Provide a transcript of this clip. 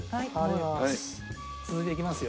続いていきますよ。